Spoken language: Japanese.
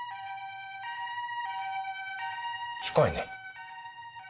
近いね。